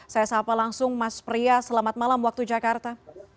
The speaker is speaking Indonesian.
saya sahabat langsung mas priya selamat malam waktu jakarta